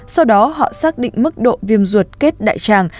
sau đó họ xác định mức độ viêm ruột kết đại tràng